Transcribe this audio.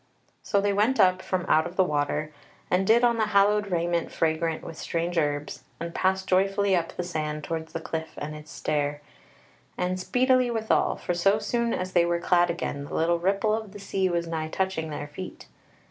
So they went up from out of the water, and did on the hallowed raiment fragrant with strange herbs, and passed joyfully up the sand towards the cliff and its stair; and speedily withal, for so soon as they were clad again, the little ripple of the sea was nigh touching their feet.